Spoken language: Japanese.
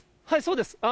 はい、そうです。